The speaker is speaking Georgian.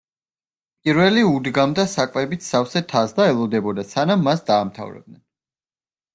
პირველი უდგამდა საკვებით სავსე თასს და ელოდებოდა, სანამ მას დაამთავრებდნენ.